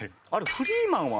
フリーマンは？